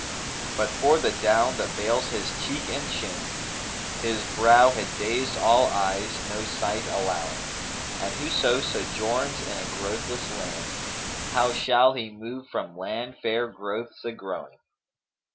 But for the down that veils his cheek and chin, * His brow had dazed all eyes no sight allowing: And whoso sojourns in a growthless land, * How shall he move from land fair growths a growing?'